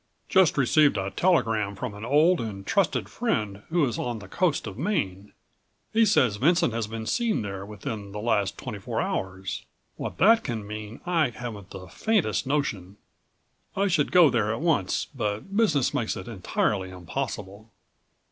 "Just received a telegram from an old and trusted friend who is on the coast of Maine. He says Vincent has been seen there within the last twenty four hours. What that can mean I haven't the faintest notion. I should go there at once but business makes it entirely impossible."